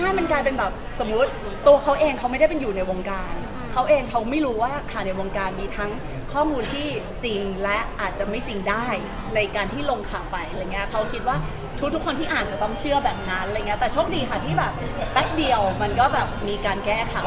ใช่มันกลายเป็นแบบสมมุติตัวเขาเองเขาไม่ได้เป็นอยู่ในวงการเขาเองเขาไม่รู้ว่าข่าวในวงการมีทั้งข้อมูลที่จริงและอาจจะไม่จริงได้ในการที่ลงข่าวไปอะไรอย่างเงี้ยเขาคิดว่าทุกทุกคนที่อ่านจะต้องเชื่อแบบนั้นอะไรอย่างเงี้แต่โชคดีค่ะที่แบบแป๊บเดียวมันก็แบบมีการแก้ข่าว